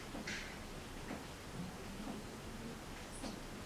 Může jím být.